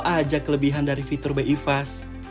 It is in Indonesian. apa aja kelebihan dari fitur bifas